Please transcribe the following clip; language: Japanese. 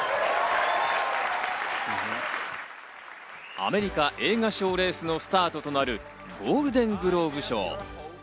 アメリカ映画賞レースのスタートとなるゴールデングローブ賞。